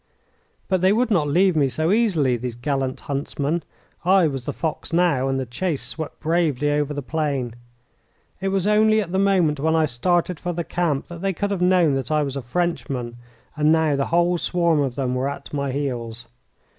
But they would not leave me so easily, these gallant huntsmen. I was the fox now, and the chase swept bravely over the plain. It was only at the moment when I started for the camp that they could have known that I was a Frenchman, and now the whole swarm of them were at my heels.